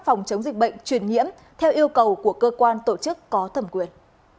phòng chống dịch bệnh truyền nhiễm theo yêu cầu của cơ quan tổ chức có thẩm quyền